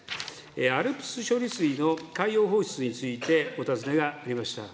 ＡＬＰＳ処理水の海洋放出についてお尋ねがありました。